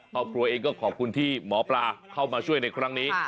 ครอบครัวเองก็ขอบคุณที่หมอปลาเข้ามาช่วยในครั้งนี้